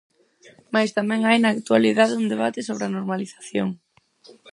Mais tamén hai, na actualidade, un debate sobre a "normalización".